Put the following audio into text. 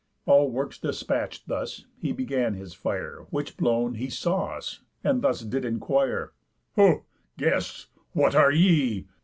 All works dispatch'd thus, he began his fire; Which blown, he saw us, and did thus inquire: ῾Ho! guests! What are ye?